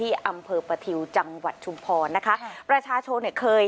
อำเภอประทิวจังหวัดชุมพรนะคะประชาชนเนี่ยเคย